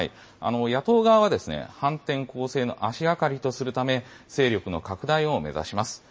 野党側は、反転攻勢の足がかりとするため、勢力の拡大を目指します。